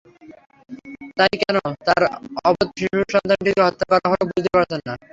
তাই কেন তাঁর অবোধ শিশুসন্তানটিকে হত্যা করা হলো বুঝতে পারছেন না।